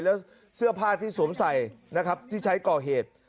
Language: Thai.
แล้วเสื้อผ้าที่สวมใส่นะครับที่ใช้ก่อเหตุ